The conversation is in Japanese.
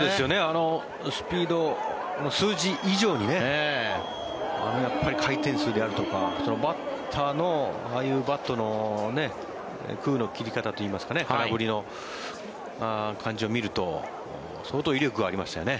スピード、数字以上に回転数であるとかバッターのああいうバットの空の切り方といいますか空振りの感じを見ると相当、威力がありましたよね。